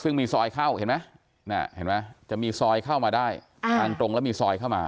ซึ่งมีซอยเข้าเห็นไหมเห็นไหมจะมีซอยเข้ามาได้ทางตรงแล้วมีซอยเข้ามา